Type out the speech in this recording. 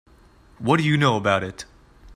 What do you know about it?